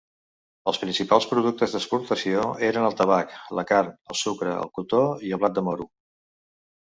Els principals productes d'exportació eren el tabac, la carn, el sucre, el cotó i el blat de moro.